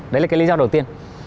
đấy là cái lý do đầu tiên